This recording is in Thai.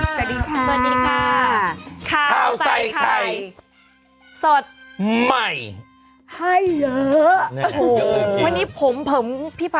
สวัสดีค่ะ